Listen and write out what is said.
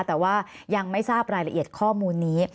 แต่ว่ายังไม่ทราบรายละเอียดข้อมูลนี้